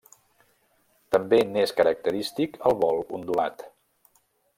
També n'és característic el vol ondulat.